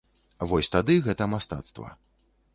Вось тады гэта мастацтва.